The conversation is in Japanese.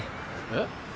えっ？